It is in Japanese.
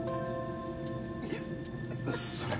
いやそれは。